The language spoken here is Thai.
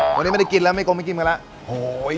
วันนี้ไม่ได้กินแล้วไม่กงไม่กินกันแล้ว